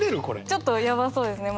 ちょっとやばそうですね。